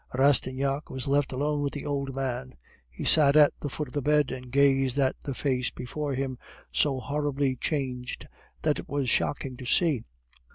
Rastignac was left alone with the old man. He sat at the foot of the bed, and gazed at the face before him, so horribly changed that it was shocking to see.